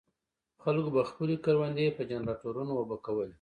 خلکو به خپلې کروندې په جنراټورونو اوبه کولې.